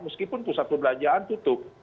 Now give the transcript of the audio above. meskipun pusat perbelanjaan tutup